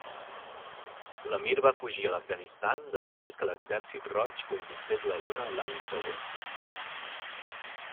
L'emir va fugir a l'Afganistan després que l'Exèrcit Roig conquistés la zona l'any següent.